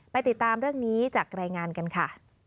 ติดตามเรื่องนี้จากรายงานกันค่ะ